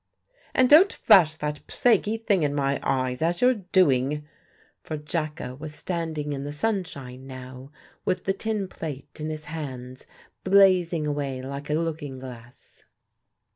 "And don't flash that plaguey thing in my eyes, as you're doing." For Jacka was standing in the sunshine now, with the tinplate in his hands blazing away like a looking glass.